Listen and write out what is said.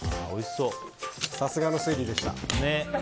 さすがの推理でした。